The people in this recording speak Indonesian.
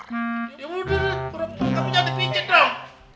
ya udah aku jangan dipicit dong